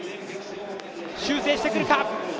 修正してくるか。